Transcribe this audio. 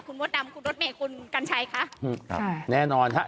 คุณมดดำคุณรถเมย์คุณกัญชัยคะครับใช่แน่นอนฮะ